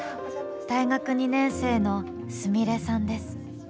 大学２年生のすみれさんです。